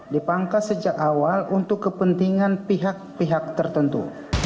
dipangkas sejak awal untuk kepentingan pihak pihak tertentu